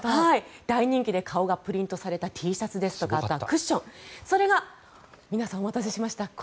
大人気で顔がプリントされたＴシャツですとかクッションそれが皆さんお待たせしました